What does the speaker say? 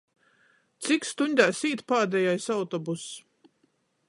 Cik stuņdēs īt pādejais autobuss?